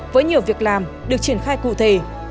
với nhiều việc làm được triển khai cụ thể